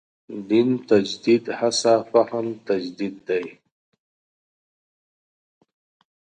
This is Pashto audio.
دین تجدید هڅه فهم تجدید دی.